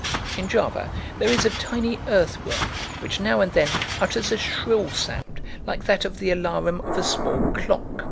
In Java there is a tiny earthworm which now and then utters a shrill sound like that of the alarum of a small clock.